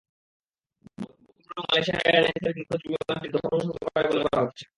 বস্তুগুলো মালয়েশিয়ার এয়ারলাইনসের নিখোঁজ বিমানটির ধ্বংসাবশেষ হতে পারে বলে মনে করা হচ্ছে।